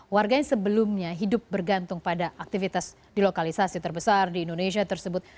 warga yang sebelumnya hidup bergantung pada aktivitas di lokalisasi terbesar di indonesia tersebut